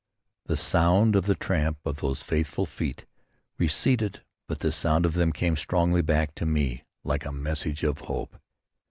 The sound of the tramp of those faithful feet receded but the sound of them came strongly back to me like a message of hope.